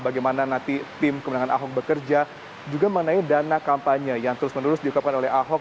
bagaimana nanti tim kemenangan ahok bekerja juga mengenai dana kampanye yang terus menerus diungkapkan oleh ahok